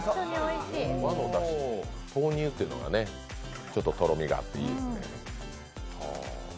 豆乳っていうのがちょっととろみがあっていいですね。